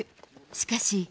しかし。